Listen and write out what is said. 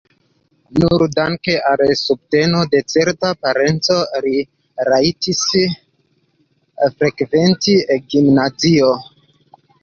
Nur danke al subteno de certa parenco li rajtis frekventi gimnazion.